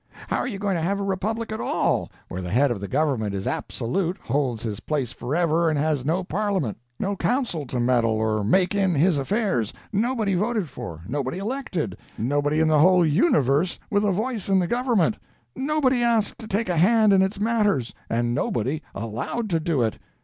How are you going to have a republic at all, where the head of the government is absolute, holds his place forever, and has no parliament, no council to meddle or make in his affairs, nobody voted for, nobody elected, nobody in the whole universe with a voice in the government, nobody asked to take a hand in its matters, and nobody allowed to do it?